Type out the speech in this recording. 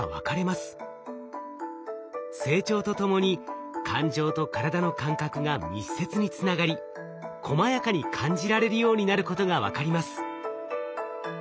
成長とともに感情と体の感覚が密接につながりこまやかに感じられるようになることが分かります。